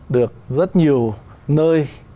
được rất nhiều nơi